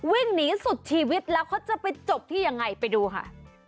วิ่งหนีสุดชีวิตแล้วเขาจะไปจบที่ยังไงไปดูค่ะ